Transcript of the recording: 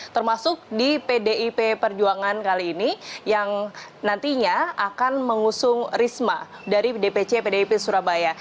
termasuk di pdip perjuangan kali ini yang nantinya akan mengusung risma dari dpc pdip surabaya